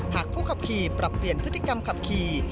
หากผู้ขับขี่ปรับเปลี่ยนพฤติกรรมขับขี่